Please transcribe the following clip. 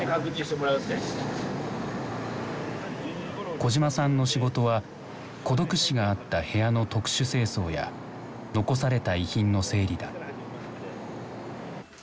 小島さんの仕事は孤独死があった部屋の特殊清掃や残された遺品の整理だ。